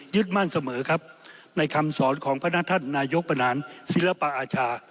มั่นเสมอครับในคำสอนของพระนักท่านนายกประนานศิลปอาชา